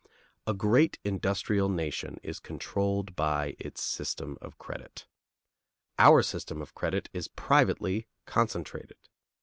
A great industrial nation is controlled by its system of credit. Our system of credit is privately concentrated.